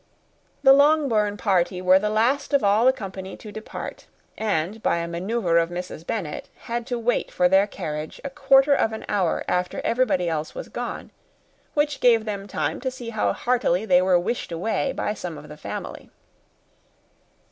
The Longbourn party were the last of all the company to depart; and by a manœuvre of Mrs. Bennet had to wait for their carriage a quarter of an hour after everybody else was gone, which gave them time to see how heartily they were wished away by some of the family.